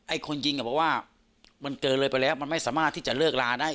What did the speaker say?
คนยิงอ่ะบอกว่ามันเกินเลยไปแล้วมันไม่สามารถที่จะเลิกลาได้